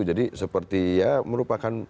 jadi seperti ya merupakan